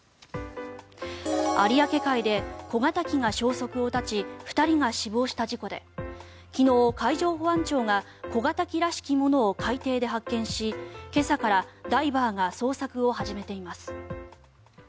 有明海で小型機が消息を絶ち２人が死亡した事故で昨日、海上保安庁が小型機らしきものを海底で発見し今朝から、ダイバーが捜索を始めています。